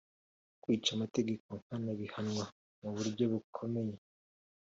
Kwica amategeko nkana bihanwa mu buryo bukomeye